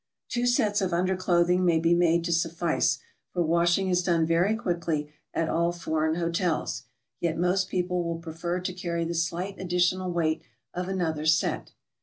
Two sets of under clothing may be made to suffice, for washing is done very quickly at all foreign hotels; yet most people will prefer to carry the slight additional weight of another set.